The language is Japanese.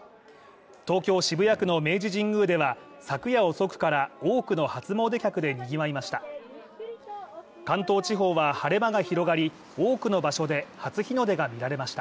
東京・渋谷区の明治神宮では、昨夜遅くから多くの初詣客でにぎわいました。